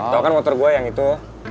tau kan motor gue yang itu